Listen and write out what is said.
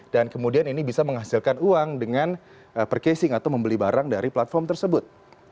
dan kemudian ini bisa menghasilkan uang dengan percasing atau membeli barang dari platform tersebut